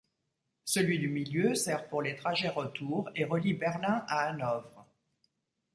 Celui du milieu sert pour les trajets retours et relie Berlin à Hanovre.